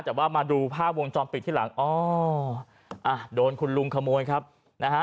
แต่ว่ามาดูภาพวงจรปิดที่หลังอ๋ออ่ะโดนคุณลุงขโมยครับนะฮะ